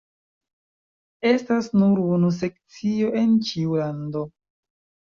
Estas nur unu sekcio en ĉiu lando.